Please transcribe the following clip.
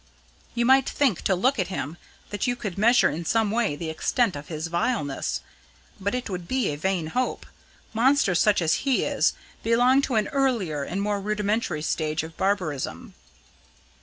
You might think to look at him that you could measure in some way the extent of his vileness; but it would be a vain hope. Monsters such as he is belong to an earlier and more rudimentary stage of barbarism.